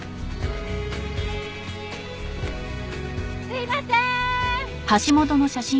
すいませーん！